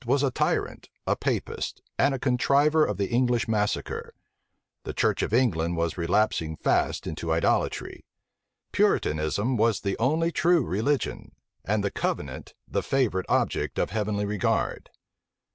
was a tyrant, a Papist, and a contriver of the Irish massacre: the church of England was relapsing fast into idolatry: Puritanism was the only true religion, and the covenant the favorite object of heavenly regard.